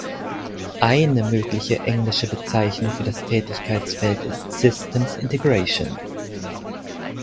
Eine mögliche englische Bezeichnung für das Tätigkeitsfeld ist "systems integration".